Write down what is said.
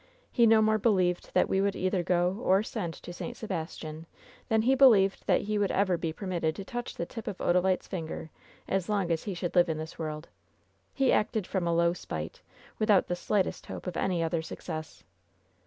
He no more believed that we would either go or send to St. Sebastian than he believed that he would ever be permitted to touch the tip of Odalite's finger as long as he should live in this world I He acted from a low spite, without the slightest hope of any other success.